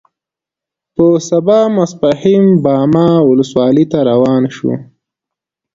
په سبا ماسپښین باما ولسوالۍ ته روان شوو.